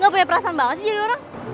gak punya perasaan banget sih jadi orang